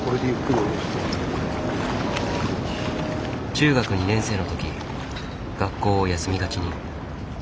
中学２年生の時学校を休みがちに。